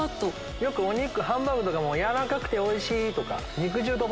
よくハンバーグとかも軟らかくておいしい！とか肉汁どば！